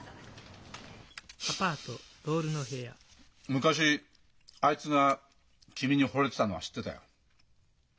昔あいつが君にほれてたのは知ってたよ。